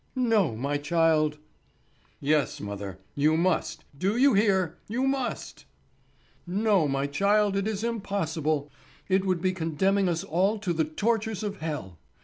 "No, my child." "Yes, mother, you must; do you hear? You must." "No, my child, it is impossible. It would be condemning us all to the tortures of hell.